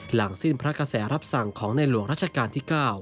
หลังสิ้นพระกระแสรับสั่งของในหลวงรัชกาลที่๙